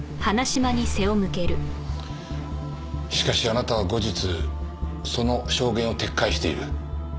しかしあなたは後日その証言を撤回している。